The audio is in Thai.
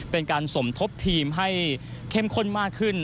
เป็นการสมทบทีมให้เข้มข้นมากขึ้น